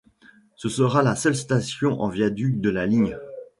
Ce sera la seule station en viaduc de la ligne.